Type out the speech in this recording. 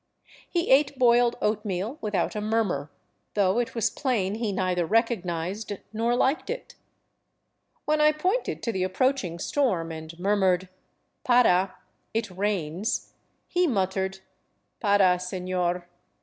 He ate boiled oatmeal without a murmur, though it was plain he neither recognized nor liked it. When I pointed to the approaching storm and mur mured, " Para — it rains," he muttered, " Para, senor."